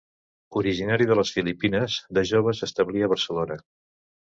Originari de les Filipines, de jove s'establí a Barcelona.